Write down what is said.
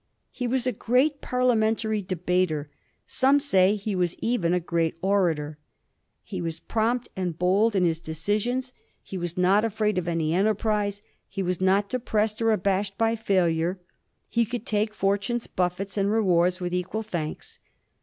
He was a great parliamentary debater — some say he was even a great orator. He was prompt and bold in his decisions ; he was not afraid of any enterprise ; he was not depressed or abashed by fidlure ; he could take fortune's buffets and rewards with equal thanks.